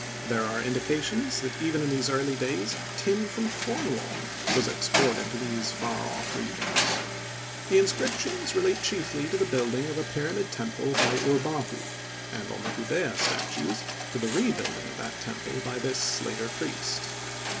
There are indications that even in these early days tin from Cornwall was exported to these far off regions. The inscriptions relate chiefly to the building of a pyramid temple by Urbahu, and on the Gudea statues to the rebuilding of the temple by this later prince.